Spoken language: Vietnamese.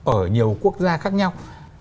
ở nhiều quốc gia khác nhau